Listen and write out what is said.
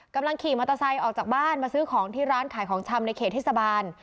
กำลังขี่มอเตอร์ไซค์ออกจากบ้านมาซื้อของที่ร้านขายของชำในเขตเทศบาล